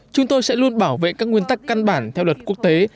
chúng tôi sẽ luôn bảo vệ các nguyên tắc căn bản theo luật quốc tế